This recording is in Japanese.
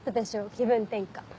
気分転換。